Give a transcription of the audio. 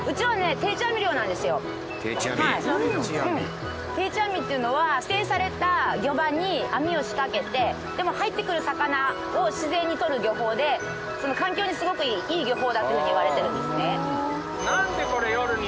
定置網っていうのは指定された漁場に網を仕掛けて入ってくる魚を自然にとる漁法で環境にすごくいい漁法だというふうにいわれてるんですね。